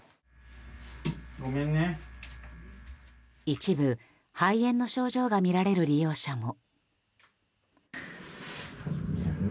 一部、肺炎の症状が見られる利用者も。